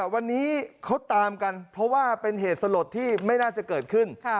วันนี้เขาตามกันเพราะว่าเป็นเหตุสลดที่ไม่น่าจะเกิดขึ้น